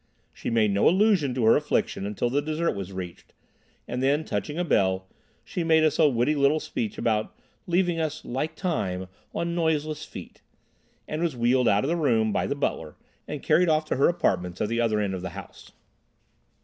She made no allusion to her affliction until the dessert was reached, and then, touching a bell, she made us a witty little speech about leaving us "like time, on noiseless feet," and was wheeled out of the room by the butler and carried off to her apartments at the other end of the house.